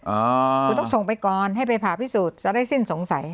คือต้องส่งไปก่อนให้ไปผ่าพิสูจน์จะได้สิ้นสงสัย